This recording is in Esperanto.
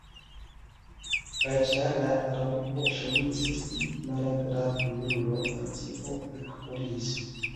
Kaj ĉar la Raŭpo ŝajnis esti malagrablulo, Alicio ekforiris.